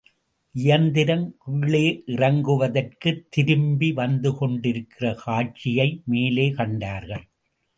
இயந்திரம் கீழே இறங்குவதற்குத் திரும்பி வந்துகொண்டிருக்கிற காட்சியை, மேலே கண்டார்கள்.